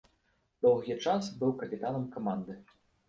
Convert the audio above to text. Доўгі час быў капітанам каманды.